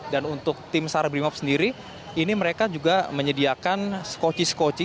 dan untuk tim sarbrimob sendiri ini mereka juga menyediakan skoci skoci